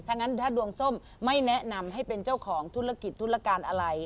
ถ้างั้นถ้าดวงส้มไม่แนะนำให้เป็นเจ้าของธุรกิจธุรการอะไร